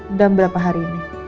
udah beberapa hari ini